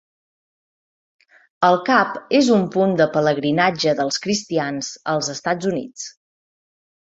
El Cap és un punt de pelegrinatge dels cristians als Estats Units.